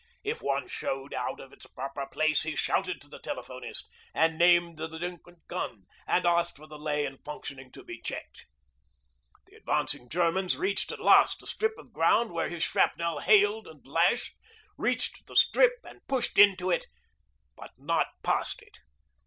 If one showed out of its proper place he shouted to the telephonist and named the delinquent gun, and asked for the lay and fuse setting to be checked. The advancing Germans reached at last the strip of ground where his shrapnel hailed and lashed, reached the strip and pushed into it but not past it.